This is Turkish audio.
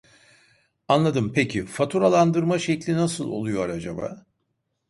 Anladım peki faturalandırma şekli nasıl oluyor acaba